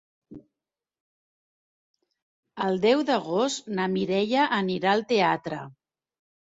El deu d'agost na Mireia anirà al teatre.